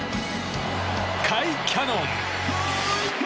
甲斐キャノン。